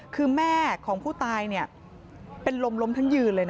คือแม่ของผู้ตายเป็นลมล้มทั้งยืนเลยนะ